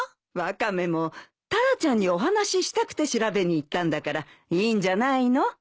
ワカメもタラちゃんにお話ししたくて調べに行ったんだからいいんじゃないの。